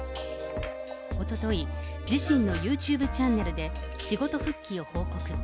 おととい、自身のユーチューブチャンネルで仕事復帰を報告。